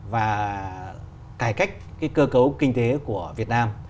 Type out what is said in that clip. và cải cách cái cơ cấu kinh tế của việt nam